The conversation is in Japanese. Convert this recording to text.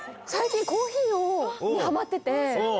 最近コーヒーハマってて。